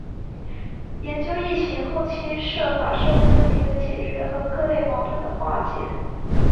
研究疫情后期涉法社会问题的解决和各类矛盾的化解